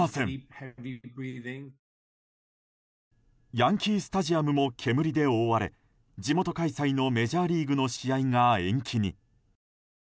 ヤンキー・スタジアムも煙で覆われ地元開催のメジャーリーグの試合が延期に。